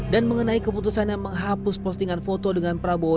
dan mengenai keputusan yang menghapus postingan foto dengan perpustakaan